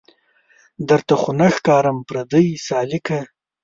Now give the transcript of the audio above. درته خو نه ښکارم پردۍ سالکه